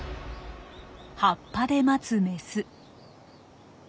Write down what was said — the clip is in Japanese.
葉っぱで待つメス。